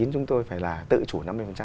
chúng tôi phải là tự chủ năm mươi